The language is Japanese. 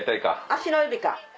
足の指か。